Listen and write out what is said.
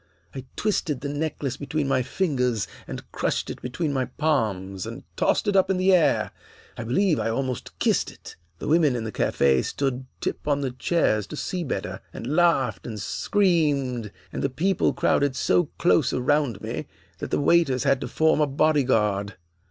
I twisted the necklace between my fingers and crushed it between my palms and tossed it up in the air. I believe I almost kissed it. The women in the cafe stood tip on the chairs to see better, and laughed and screamed, and the people crowded so close around me that the waiters had to form a bodyguard.